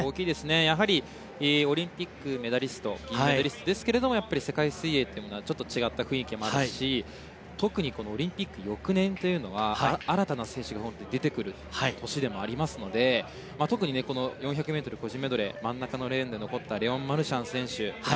やはりオリンピックメダリストですがやはり世界水泳というのはちょっと違った雰囲気があるし特にオリンピック翌年というのは新たな選手が出てくる年でもありますので特に４００ｍ個人メドレー真ん中のレーンで残ったレオン・マルシャン選手。